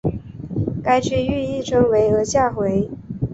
该区域亦称为额下回。